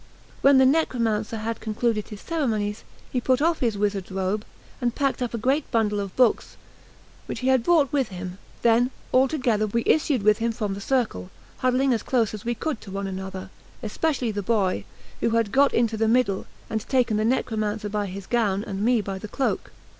When the necromancer had concluded his ceremonies, he put off his wizard's robe, and packed up a great bundle of books which he had brought with him; then, all together, we issued with him from the circle, huddling as close as we could to one another, especially the boy, who had got into the middle, and taken the necromancer by his gown and me by the cloak.